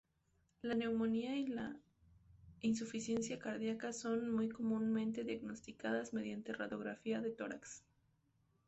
La neumonía y la insuficiencia cardíaca son muy comúnmente diagnosticadas mediante radiografía de tórax.